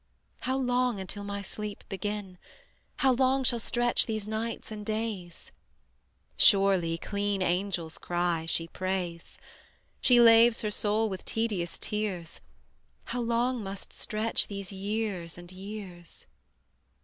How long until my sleep begin, How long shall stretch these nights and days? Surely, clean Angels cry, she prays; She laves her soul with tedious tears: How long must stretch these years and years?